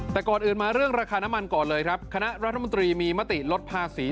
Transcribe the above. แต่ก่อนอื่นมาเรื่องราคาน้ำมันก่อนเลยครับคณะรัฐมนตรีมีมติลดภาษี